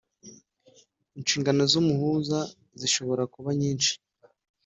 Inshingano z’umuhuza zishobora kuba nyinshi